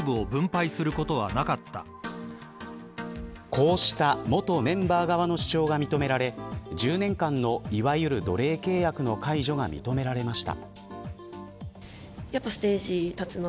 こうした元メンバー側の主張が認められ１０年間の、いわゆる奴隷契約の解除が認められました。